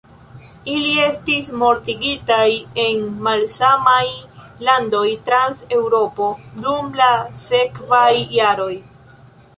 Ili estis mortigitaj en malsamaj landoj trans Eŭropo, dum la sekvaj jaroj.